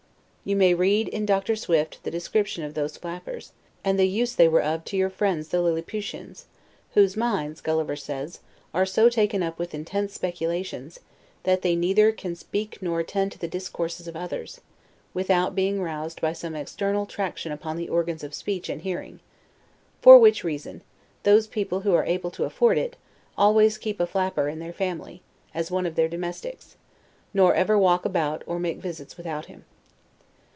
You may read, in Dr. Swift, the description of these flappers, and the use they were of to your friends the Laputans; whose minds (Gulliver says) are so taken up with intense speculations, that they neither can speak nor attend to the discourses of others, without being roused by some external traction upon the organs of speech and hearing; for which reason, those people who are able to afford it, always keep a flapper in their family, as one of their domestics; nor ever walk about, or make visits without him.